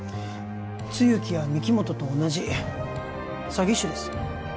露木や御木本と同じ詐欺師です